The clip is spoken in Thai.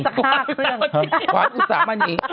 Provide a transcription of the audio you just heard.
เนแนะแต่ได้สัก๕เพื่อน